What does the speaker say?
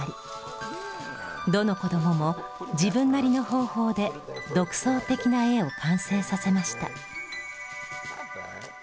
どの子どもも自分なりの方法で独創的な絵を完成させました。